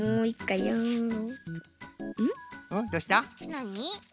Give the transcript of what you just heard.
なに？